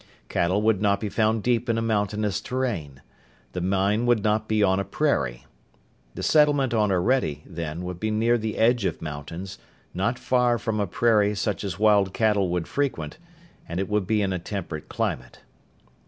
Cattle would not be found deep in a mountainous terrain. The mine would not be on a prairie. The settlement on Orede, then, would be near the edge of mountains, not far from a prairie such as wild cattle would frequent, and it would be in a temperate climate.